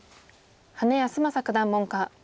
羽根泰正九段門下。